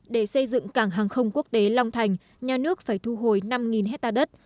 để xây dựng cảng hàng không quốc tế long thành nhà nước phải thu hồi năm hectare đất